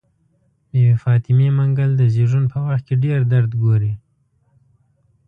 بي بي فاطمه منګل د زيږون په وخت کې ډير درد ګوري.